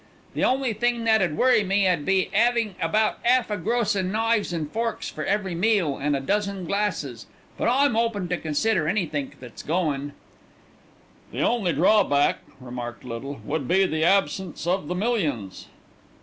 The only thing that 'ud worry me 'ud be 'avin' about 'alf a gross o' knives an' forks for every meal, an' a dozen glasses. But I'm open to consider anythink that's goin'." "The only drawback," remarked Little, "would be the absence of the millions."